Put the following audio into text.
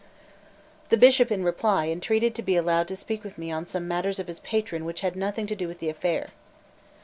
The Bishop, in reply, entreated to be allowed to speak with me on some matters of his patron which had nothing to do with the affair.